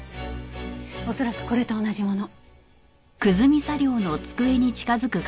恐らくこれと同じもの。